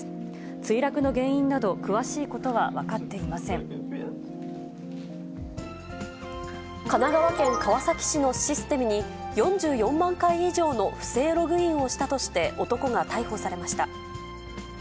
墜落の原因など、神奈川県川崎市のシステムに、４４万回以上の不正ログインをしたとして、男が逮捕されました。